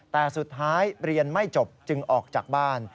แต่สุดท้ายเรียนไม่จบจึงออกจากบ้าน